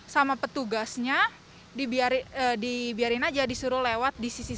sama petugasnya dibiarin aja disuruh lewat di sisi lain